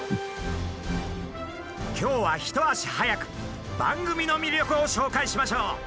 今日は一足早く番組の魅力を紹介しましょう！